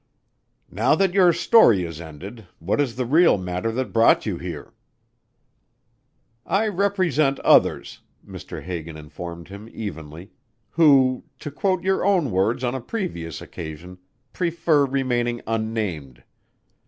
"Now that your story is ended, what is the real matter that brought you here?" "I represent others," Mr. Hagan informed him evenly, "who, to quote your own words on a previous occasion, prefer remaining unnamed.